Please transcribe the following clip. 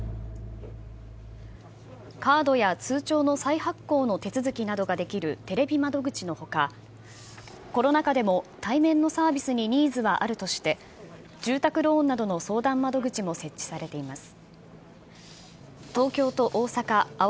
カードや通帳の再発行の手続きなどができるテレビ窓口のほか、コロナ禍でも対面のサービスにニーズはあるとして、住宅ローンなどの相談窓口も設置されています。